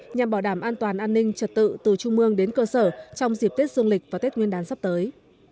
nhằm bảo đảm an toàn an ninh trật tự từ trung mương đến cơ sở trong dịp tết dương lịch và tết nguyên đán sắp tới